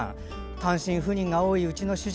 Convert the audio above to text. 単身赴任が多いうちの主人。